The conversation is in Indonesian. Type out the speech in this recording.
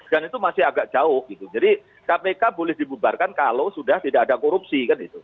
dan itu masih agak jauh gitu jadi kpk boleh dibubarkan kalau sudah tidak ada korupsi kan itu